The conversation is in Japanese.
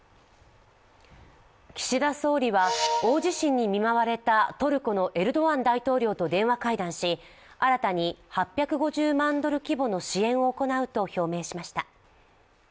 岸田総理は大地震に見舞われたトルコのエルドアン大統領と電話会談し新たに８５０万ドル規模の支援を行うと表明しました。